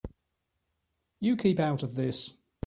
You keep out of this.